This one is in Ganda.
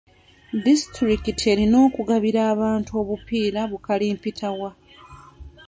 Distitulikiti erina okugabira abantu obupiira bu kalimpitawa